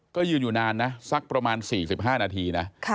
ก็ยืนอยู่นานนะสักประมาณ๔๕นาทีนะ